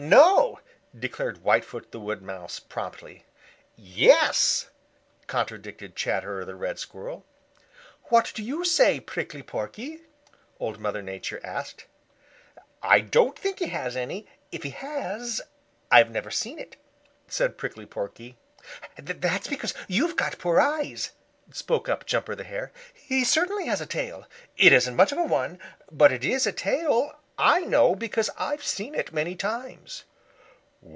"No," declared Whitefoot the Wood Mouse promptly. "Yes," contradicted Chatterer the Red Squirrel. "What do you say, Prickly Porky?" Old Mother Nature asked. "I don't think he has any; if he has, I've never seen it," said Prickly Porky. "That's because you've got poor eyes," spoke up Jumper the Hare. "He certainly has a tail. It isn't much of a one, but it is a tail. I know because I've seen it many times."